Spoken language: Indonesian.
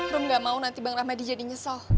rum gak mau nanti bang rahmadi jadi nyesel